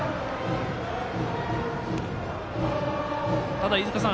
ただ、飯塚さん